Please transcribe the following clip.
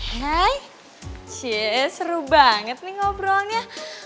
hai cheers seru banget nih ngobrolnya